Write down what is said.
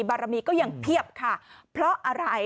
บารมีก็ยังเพียบค่ะเพราะอะไร